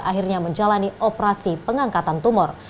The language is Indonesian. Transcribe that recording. akhirnya menjalani operasi pengangkatan tumor